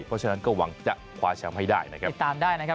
เพราะฉะนั้นก็หวังจะคว้าแชมป์ให้ได้นะครับติดตามได้นะครับ